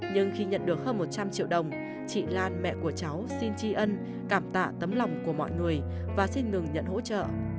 nhưng khi nhận được hơn một trăm linh triệu đồng chị lan mẹ của cháu xin tri ân cảm tạ tấm lòng của mọi người và xin ngừng nhận hỗ trợ